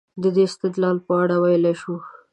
د دې استدلال په اړه ویلای شو.